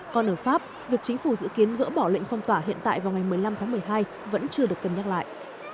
còn ở pháp việc chính phủ dự kiến gỡ bỏ lệnh phong tỏa hiện tại vào ngày một mươi năm tháng một mươi hai vẫn chưa được cân nhắc lại